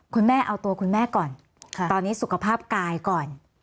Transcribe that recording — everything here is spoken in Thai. คุณแม่เอาตัวคุณแม่ก่อนตอนนี้สุขภาพกายก่อน